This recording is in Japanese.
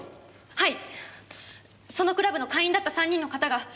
はい！